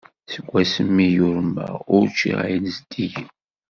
Seg wasmi i yurweɣ, ur ččiɣ ayen zeddigen.